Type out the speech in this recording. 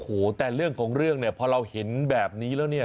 โอ้วแต่เรื่องของเรื่องพอเราเห็นแบบนี้แล้ว